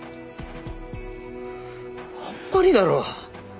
あんまりだろ。